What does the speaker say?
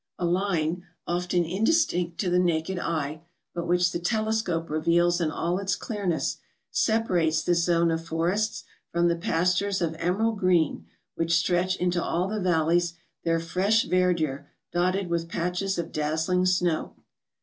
A line, often indistinct to the naked eye, but which the telescope reveals in all its clearness, separates this zone of forests from the pastures of emerald green which stretch into all the valleys their fresh verdure dotted with patches of dazzling snow.